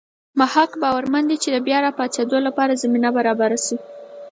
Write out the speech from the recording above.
مح ق باورمن دی چې د بیا راپاڅېدو لپاره زمینه برابره شوې.